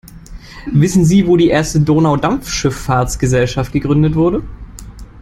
Wissen sie wo die erste Donaudampfschiffahrtsgesellschaft gegründet wurde?